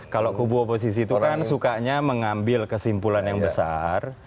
kalau kubu oposisi itu kan sukanya mengambil kesimpulan yang besar